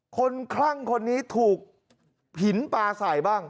คลั่งคนนี้ถูกหินปลาใส่บ้าง